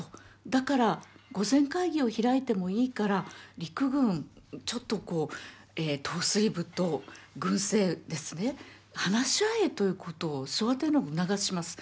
だから御前会議を開いてもいいから陸軍ちょっと統帥部と軍政ですね話し合えということを昭和天皇が促します。